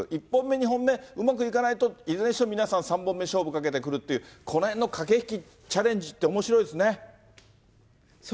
１本目、２本目、うまくいかないと、いずれにしろ皆さん、３本目勝負かけてくるっていう、このへんの駆け引き、チャレンジそうですね。